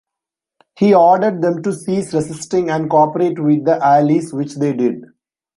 He ordered them to cease resisting and cooperate with the Allies, which they did.